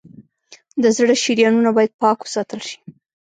د زړه شریانونه باید پاک وساتل شي.